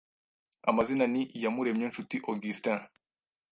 amazina ni iyamuremye nshuti augustin